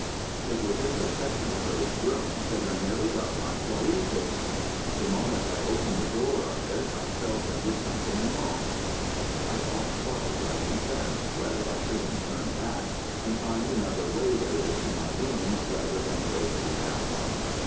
It was in the second of those rooms that I nearly got my quietus. The moment I opened the door of it I felt there was something wrong. I thought twice, I confess, whether I shouldn't turn back and find another way there is to my room rather than go through that one.